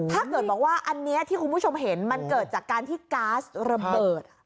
ถ้าเกิดว่าอันนี้ที่คุณผู้ชมเห็นมันเกิดจากการที่ก๊าซระเบิด